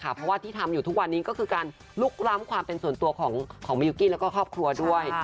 เพราะว่าที่ทำอยู่ทุกวันนี้ก็คือการลุกล้ำความเป็นส่วนตัวของมิยุกกี้แล้วก็ครอบครัวด้วย